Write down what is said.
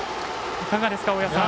いかがですか、大矢さん。